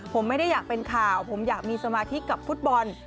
ผมไม่ได้อยากเป็นข่าวผมอยากมีสมาธิกับฟุตบอล